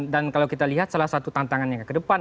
dan kalau kita lihat salah satu tantangan yang ke depan